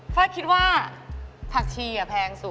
ไฟล์คิดว่าผักชีแพงสุด